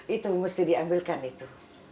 itu mesti diambilkan itu